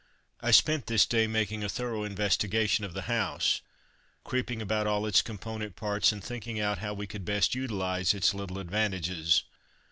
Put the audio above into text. I spent this day making a thorough investigation of the house, creeping about all its component parts and thinking out how we could best utilize its little advantages.